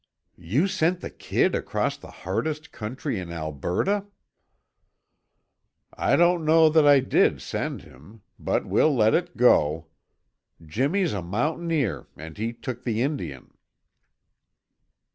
"You sent the kid across the hardest country in Alberta?" "I don't know that I did send him; but we'll let it go. Jimmy's a mountaineer and he took the Indian."